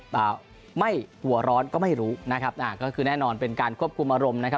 อ่าไม่หัวร้อนก็ไม่รู้นะครับอ่าก็คือแน่นอนเป็นการควบคุมอารมณ์นะครับ